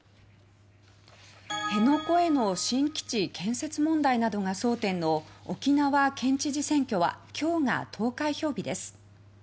辺野古への新基地建設問題などが争点の沖縄県知事選挙は今日が投開票日です。